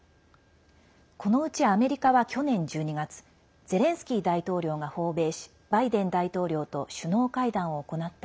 このうちアメリカは去年１２月ゼレンスキー大統領が訪米しバイデン大統領と首脳会談を行った